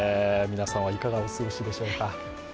皆さんは、いかがお過ごしでしょうか。